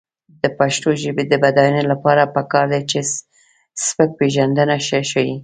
د پښتو ژبې د بډاینې لپاره پکار ده چې سبکپېژندنه ښه شي.